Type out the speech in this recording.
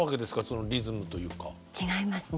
違いますね。